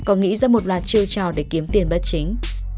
có nghĩ ra một loạt chiêu trò để kiếm tiền bất chính